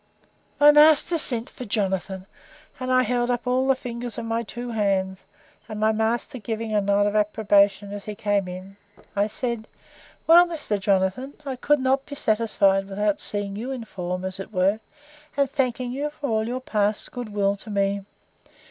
My master sent for Jonathan, and I held up all the fingers of my two hands; and my master giving a nod of approbation as he came in, I said, Well, Mr. Jonathan, I could not be satisfied without seeing you in form, as it were, and thanking you for all your past good will to me.